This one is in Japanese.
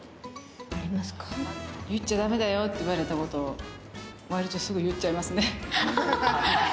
言っちゃだめだよって言われたことを、わりとすぐ言っちゃいますね。